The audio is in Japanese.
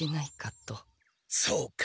そうか！